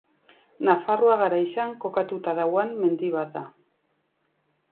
Nafarroa Garaian kokatuta dagoen mendi bat da.